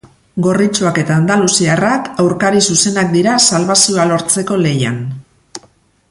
Gorritxoak eta andaluziarrak aurkari zuzeneak dira salbazioa lortzeko lehian.